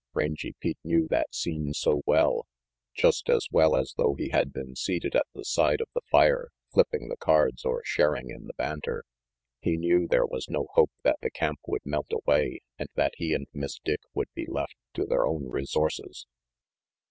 Rangy Pete knew that scene so well, just as well as though he had been seated at the side of the fire flipping the cards or sharing in the banter. He knew there was no hope that the camp would melt away and that he and Miss Dick would be left to their own resources.